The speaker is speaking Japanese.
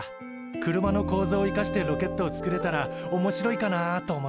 車の構造を生かしてロケットをつくれたらおもしろいかなあと思って。